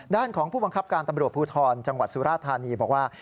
ด้านของผู้บังคับการตำรวจภูทรจังหวัดสุราธานีบอกว่า